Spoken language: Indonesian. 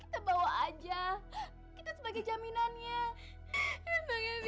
sampai jumpa di video selanjutnya